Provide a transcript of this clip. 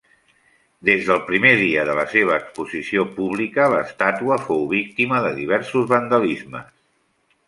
Des del primer dia de la seva exposició pública, l'estàtua fou víctima de diversos vandalismes.